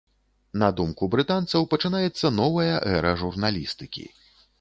На думку брытанцаў, пачынаецца новая эра журналістыкі.